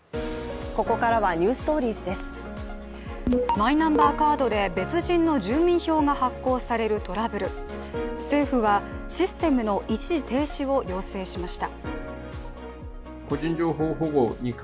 マイナンバーカードで別人の住民票が発行されるトラブル政府はシステムの一時停止を要請しました。